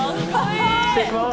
失礼しまーす！